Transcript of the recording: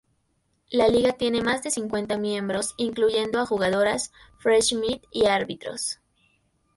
La liga tiene más de cincuenta miembros, incluyendo a jugadoras, "fresh meat" y árbitros.